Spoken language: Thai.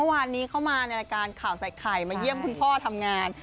เมื่อวานนี้เข้ามาในรายการข่าวใส่ไข่มาเยี่ยมคุณพ่อทำงาน